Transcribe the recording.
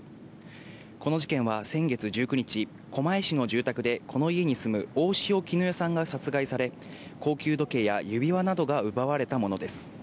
この事件は、先月１９日、狛江市の住宅でこの家に住む大塩衣与さんが殺害され、高級時計や指輪などが奪われたものです。